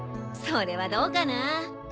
それはどうかなぁ？